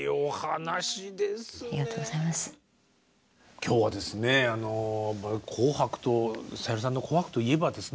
今日はですねさゆりさんの「紅白」といえばですね